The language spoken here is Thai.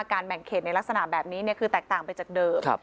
แบ่งเขตในลักษณะแบบนี้คือแตกต่างไปจากเดิม